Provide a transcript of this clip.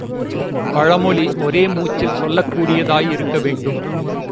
பழமொழி ஒரே மூச்சில் சொல்லக் கூடியதாய் இருக்க வேண்டும்.